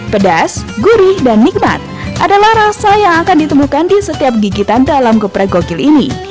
pedas gurih dan nikmat adalah rasa yang akan ditemukan di setiap gigitan dalam geprek gokil ini